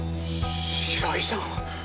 白井さん。